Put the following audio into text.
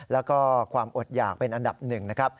แล้วก็ความอดหยากเป็นอันดับหนึ่งนะครับ